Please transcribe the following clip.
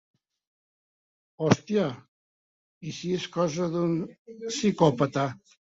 Hòstia, i si és cosa d'un psicòpata?